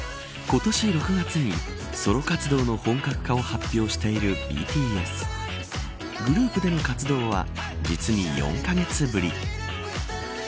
今年６月にソロ活動の本格化を発表しているＢＴＳグループでの活動は実に４カ月ぶり。